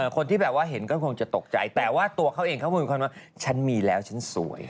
คนที่แบบว่าเห็นก็คงจะตกใจแต่ว่าตัวเขาเองเขาเป็นคนว่าฉันมีแล้วฉันสวย